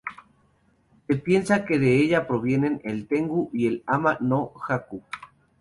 Se piensa que de ella provienen el Tengu y el Ama-No-Jaku.